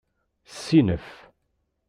Ssinef!